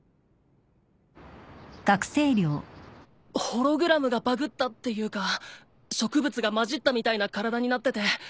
ホログラムがバグったっていうか植物がまじったみたいな体になってて。